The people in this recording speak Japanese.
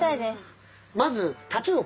まずタチウオ